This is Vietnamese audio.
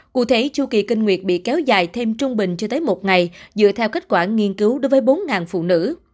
cụ thể chu kỳ kinh nguyệt bị kéo dài thêm trung bình chưa tới một ngày dựa theo kết quả nghiên cứu đối với bốn phụ nữ